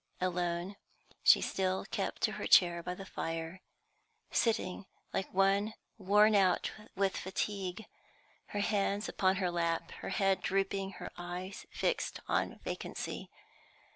Alone, she still kept her chair by the fire, sitting like one worn out with fatigue, her hands upon her lap, her head drooping, her eyes fixed on vacancy.